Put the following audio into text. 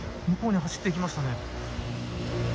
向こうに走っていきましたね。